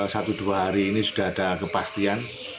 satu dua hari ini sudah ada kepastian